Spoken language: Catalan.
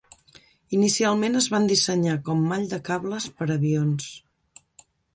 Inicialment es van dissenyar com mall de cables per a avions.